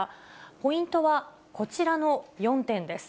ポイントはこちらの４点です。